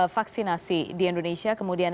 vaksinasi di indonesia kemudian